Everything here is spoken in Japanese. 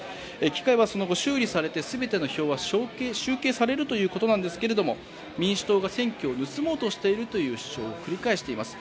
機械はその後、修理されて全ての票は集計されるということですが民主党が選挙を盗もうとしているという主張を繰り返しています。